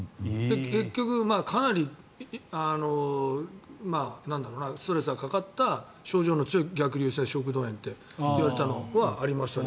結局、かなりストレスがかかった症状の強い逆流性食道炎と言われたのはありましたね。